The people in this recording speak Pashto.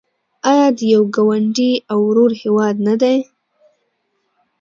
آیا د یو ګاونډي او ورور هیواد نه دی؟